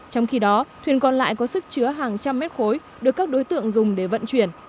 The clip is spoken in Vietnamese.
trong khi đó thuyền còn lại có sức chứa hàng trăm mét khối được các đối tượng dùng để vận chuyển